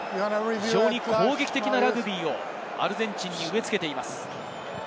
攻撃的なラグビーをアルゼンチンに植え付けています。